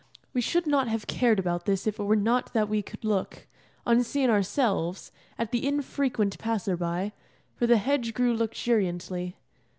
We should not have cared about this if it were not that we could look, unseen ourselves, at the infrequent passer by, for the hedge grew luxuriantly.